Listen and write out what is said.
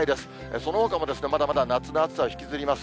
そのほかもまだまだ夏の暑さを引きずります。